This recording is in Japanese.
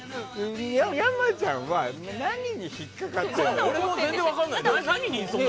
山ちゃんは何に引っかかってるの？